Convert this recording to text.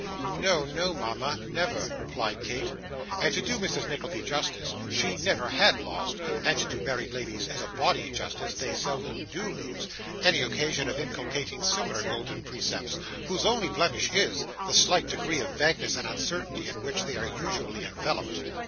'No, no, mama, never,' replied Kate. And to do Mrs. Nickleby justice, she never had lost and to do married ladies as a body justice, they seldom do lose any occasion of inculcating similar golden percepts, whose only blemish is, the slight degree of vagueness and uncertainty in which they are usually enveloped.